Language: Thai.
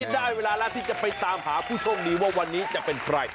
ได้เวลาแล้วที่จะไปตามหาผู้โชคดีว่าวันนี้จะเป็นใคร